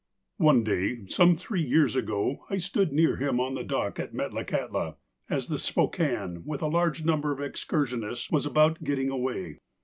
One day, some three years ago, I stood near him on the dock at Metlakahtla, as the Spokane^ with a large number of excursionists, was about getting away.